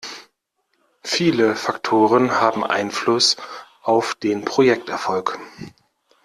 Viele Faktoren haben Einfluss auf den Projekterfolg.